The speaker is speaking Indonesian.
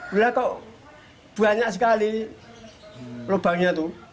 beliau kok banyak sekali lubangnya tuh